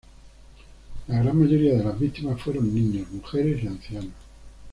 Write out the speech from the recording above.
La gran mayoría de las víctimas fueron niños, mujeres y ancianos.